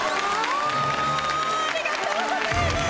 ありがとうございます。